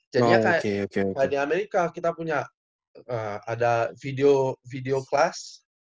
jadi kayak di amerika kita punya ada video class